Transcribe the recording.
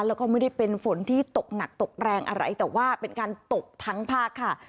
แล้วก็ไม่ได้เป็นฝนที่ตกหนักตกแรงอะไรแต่ว่าเป็นการตกทั้งภาคค่ะ